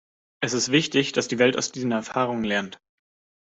Es ist wichtig, dass die Welt aus diesen Erfahrungen lernt.